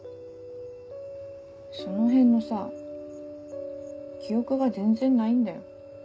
そのへんのさ記憶が全然ないんだよ。